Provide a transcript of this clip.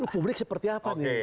publik seperti apa nih